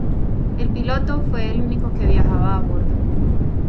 El piloto fue el único que viajaba a bordo.